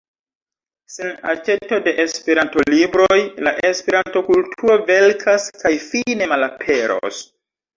Sen aĉeto de Esperanto-libroj la Esperanto-kulturo velkas kaj fine malaperos.